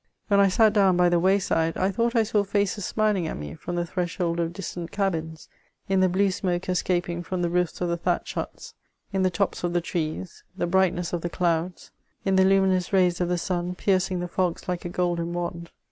When I sat down by the wayside, I thought I saw faces smiling at me from the threshold of dis tant cabins, in the blue smoke escaping from the roofs of the thatched huts, in die tops of the trees, the brightness of the douds, in the luminous rays of the sun piercing the fogs like a golden wand.